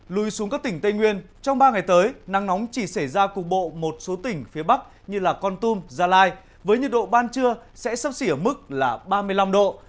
lùi xuống các tỉnh tây nguyên trong ba ngày tới nắng nóng chỉ xảy ra cục bộ một số tỉnh phía bắc như con tum gia lai với nhiệt độ ban trưa sẽ sấp xỉ ở mức là ba mươi năm độ